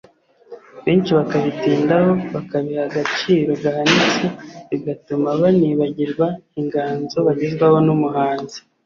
benshi bakabitindaho bakabiha agaciro gahanitse bigatuma banibagirwa inganzo bagezwaho n umuhanzi